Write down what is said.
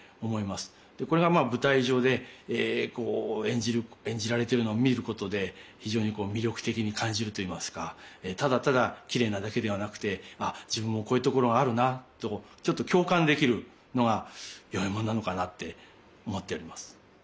これがまあ舞台上でこう演じられてるのを見ることで非常に魅力的に感じるといいますかただただきれいなだけではなくて「あっ自分もこういうところがあるな」とちょっと共感できるのが与右衛門なのかなって思っております。